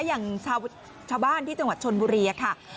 อย่างชาวบ้านที่จังหวัดชนบุรีค่ะ